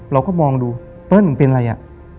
เราก็มองดูเปิ้ลมันเป็นอะไรอ่ะ